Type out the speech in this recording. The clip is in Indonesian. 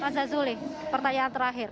mas azuli pertanyaan terakhir